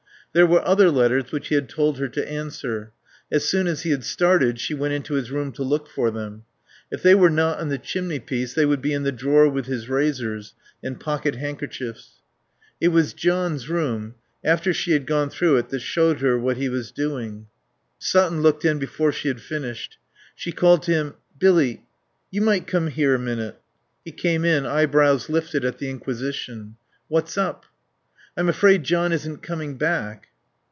There were other letters which he had told her to answer. As soon as he had started she went into his room to look for them. If they were not on the chimneypiece they would be in the drawer with his razors and pockethandkerchiefs. It was John's room, after she had gone through it, that showed her what he was doing. Sutton looked in before she had finished. She called to him, "Billy, you might come here a minute." He came in, eyebrows lifted at the inquisition. "What's up?" "I'm afraid John isn't coming back."